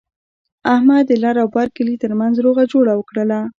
احمد د لر او بر کلي ترمنځ روغه جوړه وکړله.